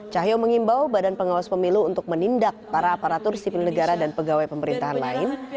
cahyo mengimbau badan pengawas pemilu untuk menindak para aparatur sipil negara dan pegawai pemerintahan lain